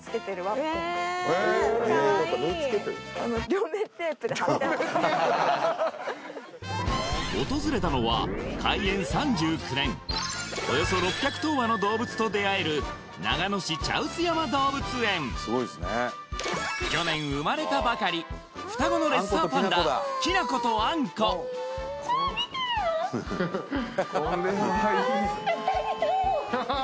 両面テープって訪れたのは開園３９年およそ６００頭羽の動物と出会える去年生まれたばかり双子のレッサーパンダキナコとアンコはは！